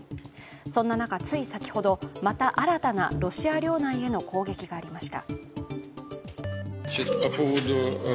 そんな中、つい先ほど、また新たなロシア領内への攻撃がありました。